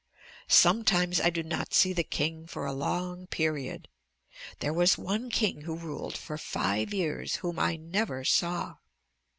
Sometimes I do not see the king for a long period. There was one king who ruled for five years whom I never saw.